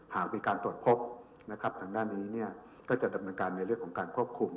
หากมีการตรวจพบนะครับทางด้านนี้ก็จะดำเนินการในเรื่องของการควบคุม